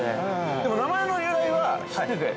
でも名前の由来は知っていて。